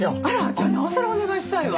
じゃあなおさらお願いしたいわ。